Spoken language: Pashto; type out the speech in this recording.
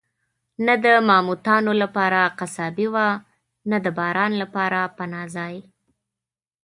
نه د ماموتانو قصابي وه، نه د باران لپاره پناه ځای.